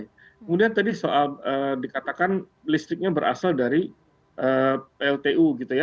kemudian tadi soal dikatakan listriknya berasal dari pltu gitu ya